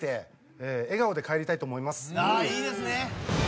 あっいいですね。